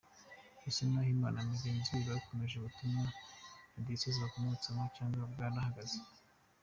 Ese Nahimana na mugenzi we bakomeje ubumwe na diyoseze bakomotsemo cyangwa bwarahagaze ?